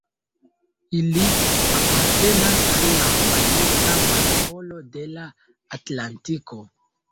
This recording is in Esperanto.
Ili apartenas al la Manika Markolo de la Atlantiko.